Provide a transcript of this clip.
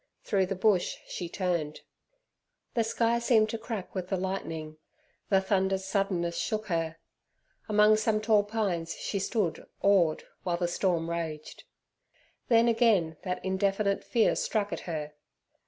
Through the bush she turned. The sky seemed to crack with the lightning; the thunder's suddenness shook her. Among some tall pines she stood awed, while the storm raged. Then again that indefinite fear struck at her.